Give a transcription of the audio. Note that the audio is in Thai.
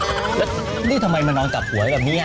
แล้วนี่ทำไมมันนอนกลับหัวอย่างนี้